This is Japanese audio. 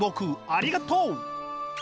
ありがとう！